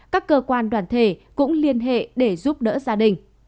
các cơ quan đoàn thể cũng liên hệ để giúp đỡ gia đình